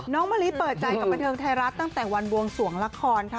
มะลิเปิดใจกับบันเทิงไทยรัฐตั้งแต่วันบวงสวงละครค่ะ